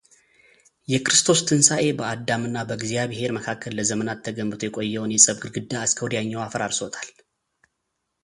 የክርስቶስ ትንሣኤ በአዳምና በእግዚአብሔር መካከል ለዘመናት ተገንብቶ የቆየውን የጸብ ግድግዳ እስከ ወዲያኛው አፈራርሶታል።